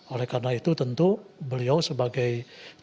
oleh karena itu tentu beliau sebagai